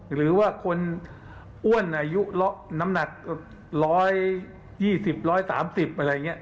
หรือว่าคนอ้วนอายุน้ำหนัก๑๒๐๑๓๐กรัม